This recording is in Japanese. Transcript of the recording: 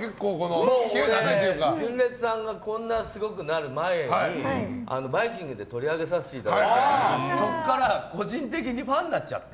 俺、純烈さんがこんなすごくなる前に「バイキング」で取り上げさせていただいてそこから個人的にファンになっちゃって。